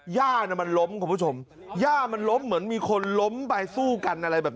ย่าน่ะมันล้มคุณผู้ชมย่ามันล้มเหมือนมีคนล้มไปสู้กันอะไรแบบ